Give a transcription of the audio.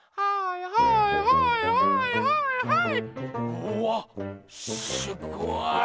うわっすごい！